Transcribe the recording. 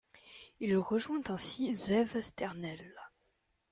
Il rejoint ainsi Zeev Sternhell.